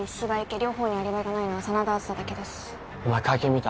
両方にアリバイがないのは真田梓だけですお前会見見た？